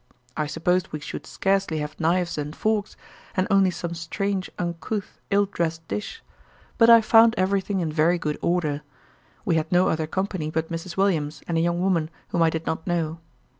I supposed we should scarcely have knives and forks, and only some strange, uncouth, ill drest dish: but I found every thing in very good order. We had no other company but Mrs. Williams and a young woman whom I did not know.